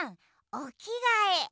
おきがえ？